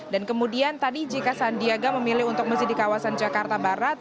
dan kemudian tadi jika sandiaga memilih untuk mesin di kawasan jakarta barat